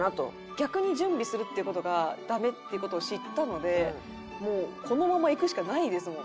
逆に準備するっていう事がダメっていう事を知ったのでこのままいくしかないですもんね。